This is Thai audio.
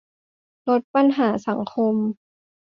ลดปัญหาสังคม